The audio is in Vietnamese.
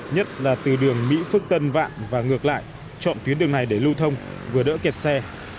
nhất là từ đường mỹ phước tân vạn và ngược lại chọn tuyến đường này để lưu thông vừa đỡ kẹt xe